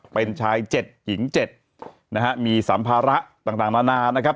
เป็นชาย๗หญิง๗นะฮะมีสัมภาระต่างนานานะครับ